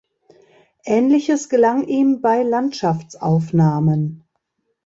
Ähnliches gelang ihm bei Landschaftsaufnahmen.